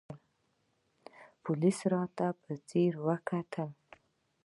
پوليس راته په ځير وکتل.